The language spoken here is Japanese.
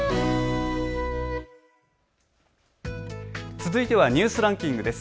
続いてはニュースランキングです。